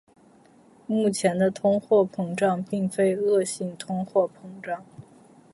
目前的通货膨胀并非恶性通货膨胀。